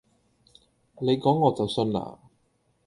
你講我就信呀